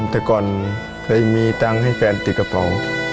แต่ก่อนเคยมีตังค์ให้แฟนติดกระเป๋า